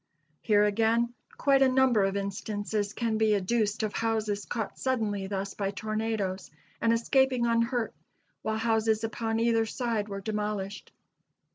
Here, again, quite a number of instances can be adduced of houses caught suddenly thus by tornadoes and escaping unhurt, while houses upon either side were demolished.